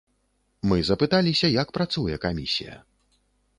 Мы запыталіся, як працуе камісія.